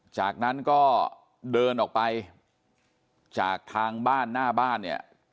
จากนั้นก็เดินออกไปจากทางบ้านหน้าบ้านเนี่ย